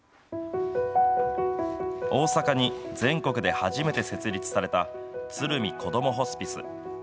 大阪に全国で初めて設立されたＴＳＵＲＵＭＩこどもホスピス。